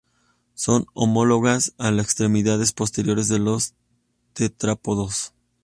Son homólogas a las extremidades posteriores de los tetrápodos.